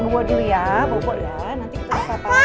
buat dulu ya bawa bawa ya